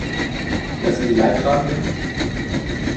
Wer sind die Leidtragenden?